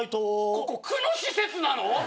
ここ区の施設なの！？